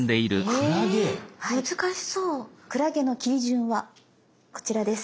「クラゲ」の切り順はこちらです。